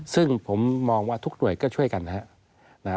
ซึ่งผมมองว่าทุกหน่วยก็ช่วยกันนะครับ